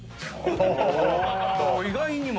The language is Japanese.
お意外にも。